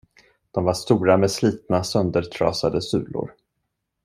De var stora med slitna söndertrasade sulor.